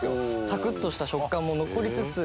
サクッとした食感も残りつつ。